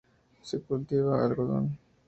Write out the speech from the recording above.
Se cultiva algodón.